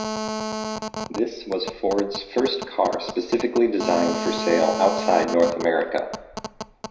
This was Ford's first car specifically designed for sale outside North America.